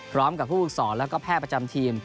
พร้อมกับผู้ศอดและแพร่ประจำทีม